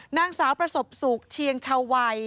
นางสาวประสบสุขเชียงชาววัย